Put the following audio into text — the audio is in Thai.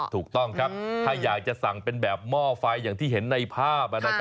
ถูกต้องครับถ้าอยากจะสั่งเป็นแบบหม้อไฟอย่างที่เห็นในภาพ